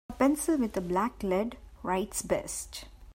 A pencil with black lead writes best.